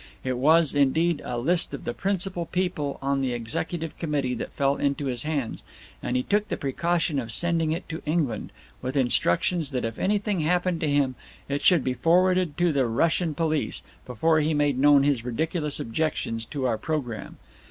It was, indeed, a list of the principal people on the executive committee that fell into his hands, and he took the precaution of sending it to England, with instructions that if anything happened to him it should be forwarded to the Russian Police, before he made known his ridiculous objections to our programme.